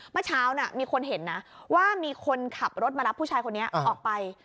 เมื่อเช้ามีคนเห็นนะว่ามีคนขับรถมารับผู้ชายคนนี้ออกไป